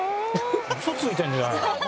ウソついてるんじゃない？